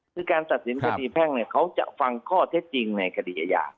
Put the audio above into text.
คือการตัดสินคดีแพ่งเนี่ยเขาจะฟังข้อเท็จจริงในคดีอาญา